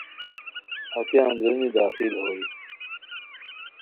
ہتے اندرینی داخل ہوئے